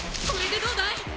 これでどうだい？